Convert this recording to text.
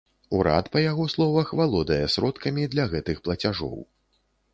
Урад, па яго словах, валодае сродкамі для гэтых плацяжоў.